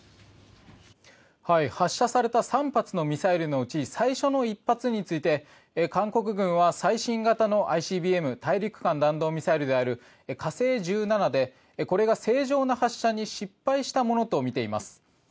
発射された３発のミサイルのうち最初の１発について韓国軍は最新型のＩＣＢＭ・大陸間弾道ミサイルである火星１７で、これが正常な発射に失敗したものとみています。